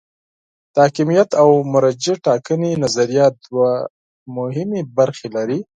د حاکمیت او مرجع ټاکنې نظریه دوه مهمې برخې لري.